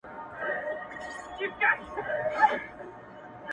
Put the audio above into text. اور د میني بل نه وي بورا نه وي،